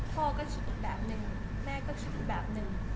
พ่อก็คิดอีกแบบนึงแม่ก็คิดอีกแบบนึง